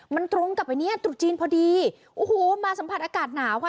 มันตรงกับไอ้เนี้ยตรุษจีนพอดีโอ้โหมาสัมผัสอากาศหนาวค่ะ